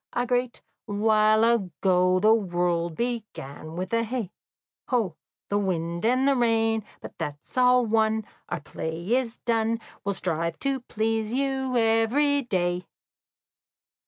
"A great while ago the world begun, With hey, ho, the wind and the rain, But that's all one, our play is done, And we'll strive to please you every day."